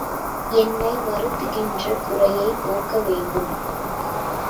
என்னை வருத்துகின்ற குறையைப் போக்க வேண்டும்.